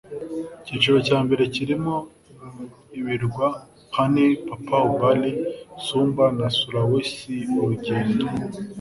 Icyiciro cya mbere kirimo ibirwa Panay Papau Bali Sumba na Sulawesi urugendo